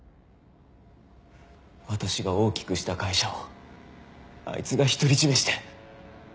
私が大きくした会社をあいつが独り占めして。